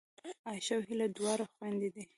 عایشه او هیله دواړه خوېندې دي